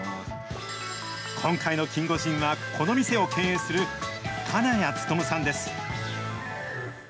今回のキンゴジンは、この店を経営する金谷勉さんです。